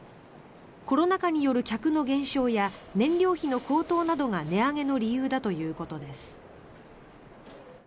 コロナ禍による客の減少や燃料費の高騰などが値上げの理由だということです。